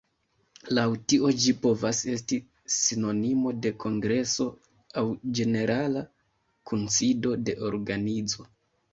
Laŭ tio ĝi povas esti sinonimo de kongreso aŭ ĝenerala kunsido de organizo.